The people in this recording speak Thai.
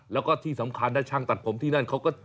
แล้วก็ที่สำคัญนะช่างตัดผมที่นั่นเขาก็